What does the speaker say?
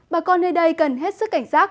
bà con nơi đây cần hết sức cảnh sát